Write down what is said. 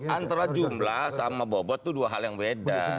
antara jumlah sama bobot itu dua hal yang beda